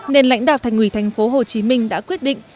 nên lãnh đạo thành ủy tp hcm đã quyết định